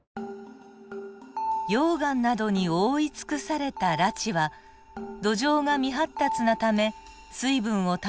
溶岩などに覆い尽くされた裸地は土壌が未発達なため水分を保つ事ができません。